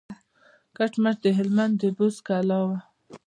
کټ مټ د هلمند د بست کلا وه.